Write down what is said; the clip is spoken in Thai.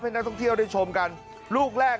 นักท่องเที่ยวได้ชมกันลูกแรก